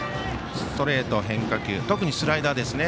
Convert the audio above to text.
ストレート、変化球特にスライダーですね。